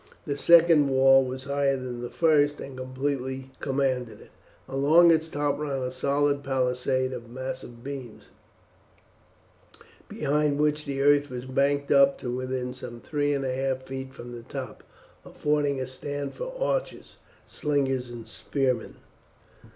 The second wall was higher than the first, and completely commanded it. Along its top ran a solid palisade of massive beams, behind which the earth was banked up to within some three and a half feet from the top, affording a stand for the archers, slingers, and spearmen.